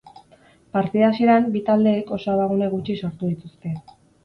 Partida hasieran, bi taldeek oso abagune gutxi sortu dituzte.